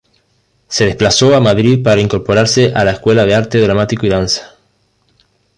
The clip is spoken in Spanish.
Se desplazó a Madrid para incorporarse a la Escuela de Arte Dramático y Danza.